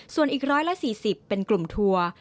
ส่วนอีก๑๔๐เป็นกลุ่มทัวร์